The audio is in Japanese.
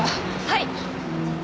はい！